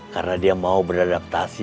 karena dia mau beradaptasi